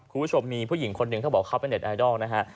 คุณผู้ชมมีผู้หญิงคนหนึ่งเขาบอกเขาเป็นเน็ตไอดอลนะฮะ